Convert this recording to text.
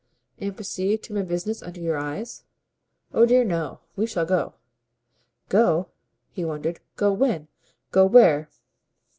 "And proceed to my business under your eyes?" "Oh dear no we shall go." "'Go?'" he wondered. "Go when, go where?"